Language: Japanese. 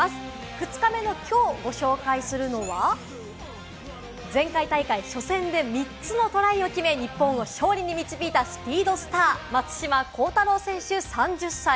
２日目のきょうご紹介するのは、前回大会、初戦で３つのトライを決め、日本を勝利に導いたスピードスター・松島幸太朗選手、３０歳。